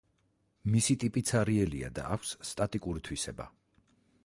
მისი ტიპი ცარიელია და აქვს სტატიკური თვისება.